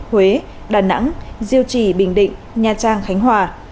huế đà nẵng diêu trì bình định nha trang khánh hòa